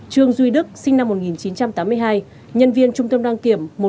trương duy đức sinh năm một nghìn chín trăm tám mươi hai nhân viên trung tâm đăng kiểm một trăm một